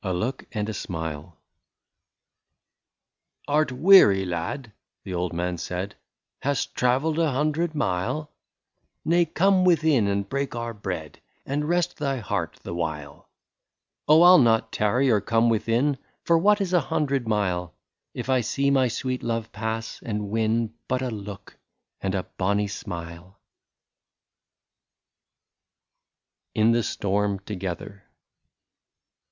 I07 A LOOK AND A SMILE. "Art weary, lad," the old man said, " Hast travell'd a hundred mile ? Nay, come within and break our bread, And rest thy heart the while." " Oh ! I '11 not tarry, or come within. For what is a hundred mile. If I see my sweet love pass, and win But a look and a bonnie smile ?" io8 IN THE STORM TOGETHER.